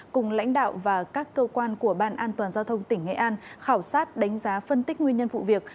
cùng lãnh đạo và các cơ quan của ban an toàn giao thông tỉnh nghệ an khảo sát đánh giá phân tích nguyên nhân vụ việc